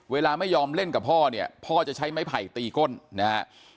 เวลาไม่ยอมเล่นกับพ่อเนี่ยพ่อจะใช้ไม้ไผ่ตีก้นนะฮะ